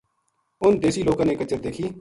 انھ دیسی لوکاں نے کچر دیکھی